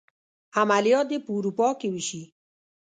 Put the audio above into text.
عملیات دې په اروپا کې وشي.